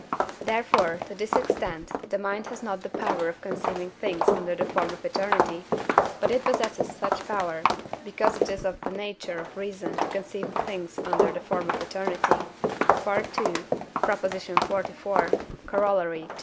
Therefore to this extent the mind has not the power of conceiving things under the form of eternity, but it possesses such power, because it is of the nature of reason to conceive things under the form of eternity (II. xliv. Coroll. ii.)